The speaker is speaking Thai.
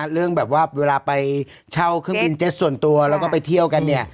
เรื่องแบบว่าเวลาไปเช่าเครื่องบินเจ็ตส่วนตัวแล้วก็ไปเที่ยวกันเนี่ย